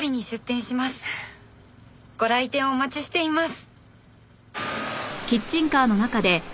「ご来店をお待ちしています」